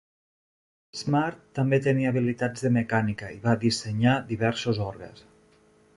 Smart també tenia habilitats de mecànica, i va dissenyar diversos orgues.